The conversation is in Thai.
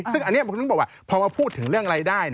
ซึ่งอันนี้ผมถึงบอกว่าพอมาพูดถึงเรื่องรายได้